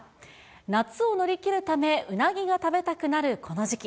夏を乗り切るため、うなぎが食べたくなるこの時期。